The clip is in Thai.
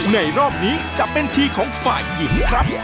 รอบนี้จะเป็นทีของฝ่ายหญิงครับ